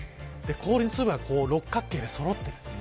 氷の粒が六角形でそろっているんです。